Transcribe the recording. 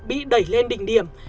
bị đẩy lên đỉnh điểm